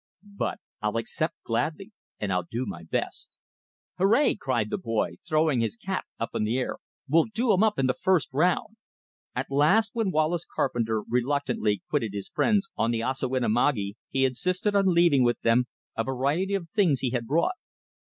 But I'll accept, gladly. And I'll do my best!" "Hooray!" cried the boy, throwing his cap up in the air. "We'll do 'em up in the first round!" At last when Wallace Carpenter reluctantly quitted his friends on the Ossawinamakee, he insisted on leaving with them a variety of the things he had brought.